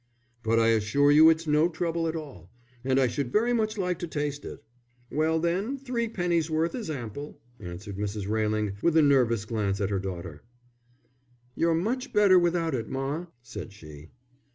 "But I assure you it's no trouble at all. And I should very much like to taste it." "Well, then, threepennyworth is ample," answered Mrs. Railing, with a nervous glance at her daughter. "You're much better without it, ma," said she.